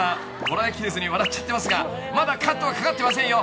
こらえきれずに笑っちゃってますがまだカットがかかってませんよ。